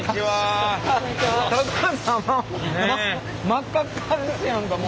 真っ赤っかですやんかもう。